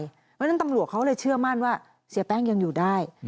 เพราะฉะนั้นตำรวจเขาเลยเชื่อมั่นว่าเสียแป้งยังอยู่ได้